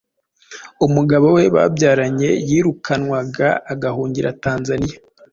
umugabo we babyaranye yirukanwaga agahungira Tanzania.